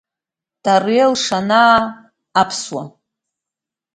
Тариал Шанава, аԥсуа!